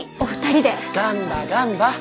ガンバガンバ！